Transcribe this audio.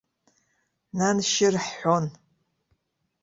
Нан-шьыр хҳәон!